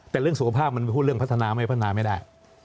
แต่เรื่องสุขภาพมันพูดเรื่องพัฒนาไม่พัฒนาไม่ได้